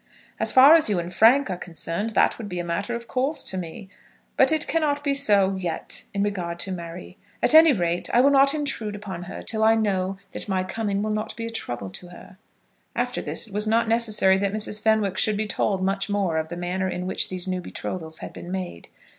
"As far as you and Frank are concerned, that would be a matter of course to me. But it cannot be so yet in regard to Mary. At any rate, I will not intrude upon her till I know that my coming will not be a trouble to her." After this it was not necessary that Mrs. Fenwick should be told much more of the manner in which these new betrothals had been made.